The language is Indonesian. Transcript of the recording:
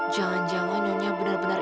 jangan jangan nyonya benar benar